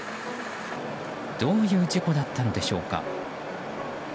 どういう事故だったのでしょうか。